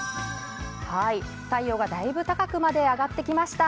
太陽がだいぶ高く昇ってきました。